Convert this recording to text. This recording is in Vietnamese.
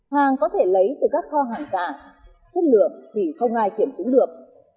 hàng có thể lấy từ các kho hàng giả chất lượng thì không ai kiểm chứng được